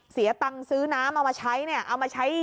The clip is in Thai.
เสียตังค์ซื้อน้ำมาใช้